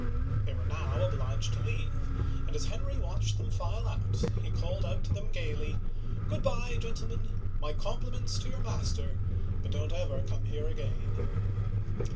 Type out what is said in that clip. They were now obliged to leave, and as Henry watched them file out, he called out to them gayly :" Good by, gentlemen. My compliments to your master, but don't ever come here again